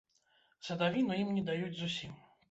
Садавіну ім не даюць зусім.